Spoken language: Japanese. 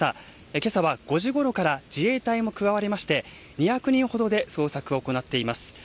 今朝は５時ごろから自衛隊も加わりまして２００人ほどで捜索を行っています。